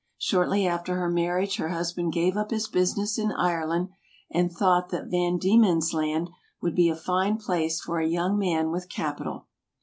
Shortly after her marriage her hus band gave up his business in Ireland and thought that Van Diemen's Land would be a fine place for a young man with capi tal.